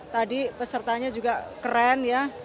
tadi pesertanya juga keren ya